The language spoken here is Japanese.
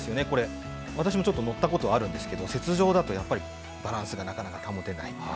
これ、私もちょっと乗ったことあるんですけど、雪上だとやっぱりバランスがなかなか保てない。